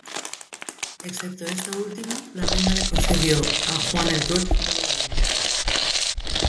Excepto esto último, la reina le concedió a Juan el Tuerto todo lo demás.